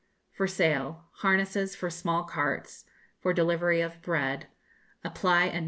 FOR SALE. Harnesses for small carts for delivery of bread; apply at No.